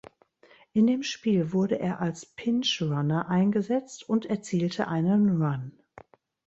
In dem Spiel wurde er als Pinch Runner eingesetzt und erzielte einen Run.